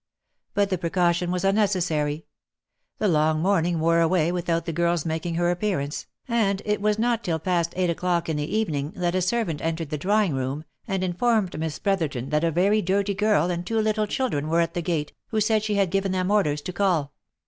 But the precaution was unnecessary ; the long morning wore away without the girl's making her appearance, and it was not till past eight o'clock in the evening, that a servant entered the drawing room, and informed Miss Brotherton that a very dirty girl and two little children were at the gate, who said she had given them orders to call.